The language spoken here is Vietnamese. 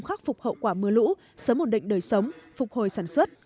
khắc phục hậu quả mưa lũ sớm ổn định đời sống phục hồi sản xuất